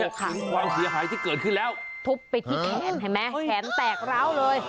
ถึงความเสียหายที่เกิดขึ้นแล้วทุบไปที่แขนเห็นไหมแขนแตกร้าวเลย